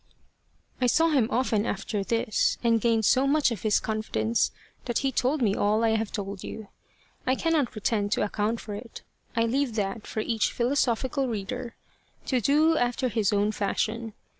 I saw him often after this, and gained so much of his confidence that he told me all I have told you. I cannot pretend to account for it. I leave that for each philosophical reader to do after his own fashion.